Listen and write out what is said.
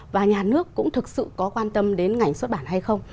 và nhà nước cũng thực sự có quan tâm đến ngành xuất bản hay không